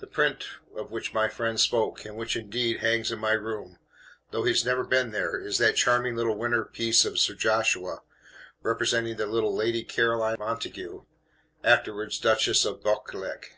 The print of which my friend spoke, and which, indeed, hangs in my room, though he has never been there, is that charming little winter piece of Sir Joshua, representing the little Lady Caroline Montague, afterwards Duchess of Buccleuch.